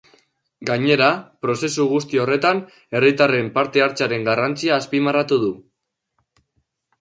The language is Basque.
Gainera, prozesu guzti horretan herritarren parte-hartzearen garrantzia azpimarratu du.